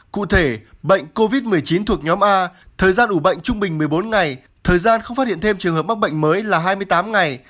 cụ thể bệnh covid một mươi chín thuộc nhóm a thời gian ủ bệnh trung bình một mươi bốn ngày thời gian không phát hiện thêm trường hợp mắc bệnh mới là hai mươi tám ngày